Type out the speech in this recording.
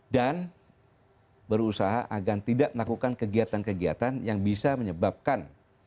dan berusaha agar tidak melakukan kegiatan kegiatan yang bisa menyebabkan